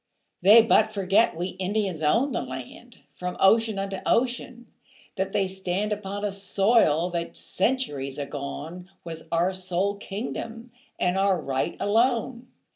They but forget we Indians owned the land From ocean unto ocean; that they stand Upon a soil that centuries agone Was our sole kingdom and our right alone.